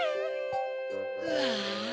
うわ！